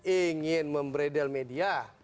ingin membreadel media